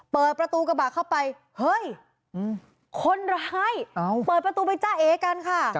เปิดประตูกระบะเข้าไปเฮ้ยคนร้ายเปิดประตูไปจ้าเอกันค่ะ